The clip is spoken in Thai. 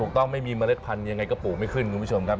ต้องไม่มีเมล็ดพันธุ์ยังไงก็ปลูกไม่ขึ้นคุณผู้ชมครับ